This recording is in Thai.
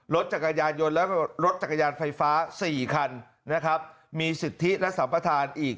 รถจักรยานยนต์และรถจักรยานไฟฟ้า๔คันนะครับมีสิทธิและสัมประธานอีก